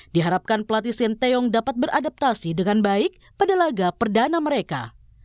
diharapkan pelatih sinteyong dapat beradaptasi dengan baik pada laga perdana mereka